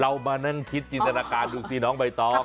เรามานั่งคิดจินศนาการดูซีน้องใบต๊อบ